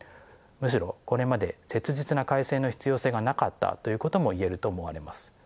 むしろこれまで切実な改正の必要性がなかったということも言えると思われます。